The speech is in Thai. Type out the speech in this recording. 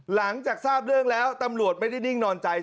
หลังจากทราบเรื่องแล้วตำรวจไม่ได้นิ่งนอนใจ